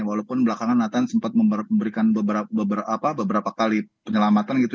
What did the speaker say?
walaupun belakangan nathan sempat memberikan beberapa kali penyelamatan gitu